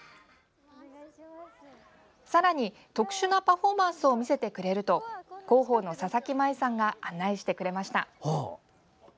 さらに特殊なパフォーマンスを見せてくれると広報の佐々木麻衣さんが案内してくれました。